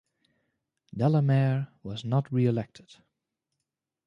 Delamere was not re-elected.